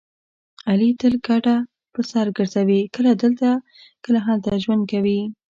علي تل کډه په سر ګرځوي کله دلته کله هلته ژوند کوي.